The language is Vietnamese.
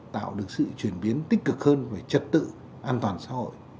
tạo được sự chuyển biến tích cực hơn về trật tự an toàn xã hội